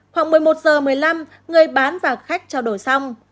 khoảng một mươi một h một mươi năm người bán và khách trao đổi xong